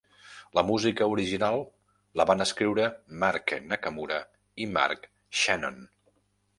La música original la van escriure Mark Nakamura i Mark Shannon.